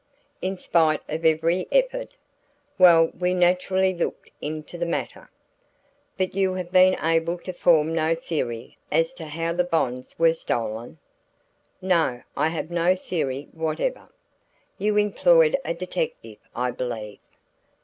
"In spite of every effort?" "Well, we naturally looked into the matter." "But you have been able to form no theory as to how the bonds were stolen?" "No, I have no theory whatever." "You employed a detective I believe?"